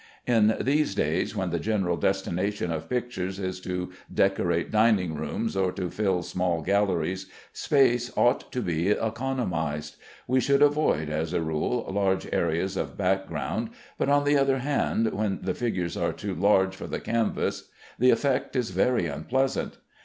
In these days, when the general destination of pictures is to decorate dining rooms or to fill small galleries, space ought to be economized. We should avoid, as a rule, large areas of background; but, on the other hand, when the figures are too large for the canvas the effect is very unpleasant.